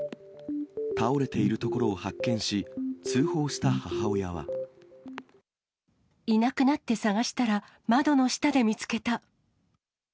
倒れているところを発見し、いなくなって捜したら、窓の下で見つけた。